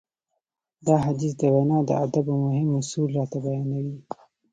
دا حديث د وينا د ادابو مهم اصول راته بيانوي.